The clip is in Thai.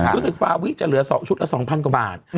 รู้สึกฟาวิจะเหลือ๒ชุดละ๒๐๐กว่าบาท